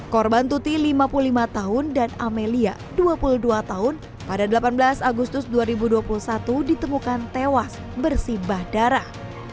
korban tuti lima puluh lima tahun dan amelia dua puluh dua tahun pada delapan belas agustus dua ribu dua puluh satu ditemukan tewas bersibah darah